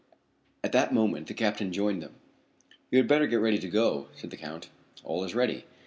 At that moment the captain joined them. "You had better get ready to go," said the Count. "All is ready."